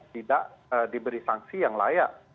tidak diberi sanksi yang layak